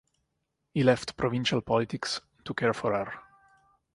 He left provincial politics to care for her.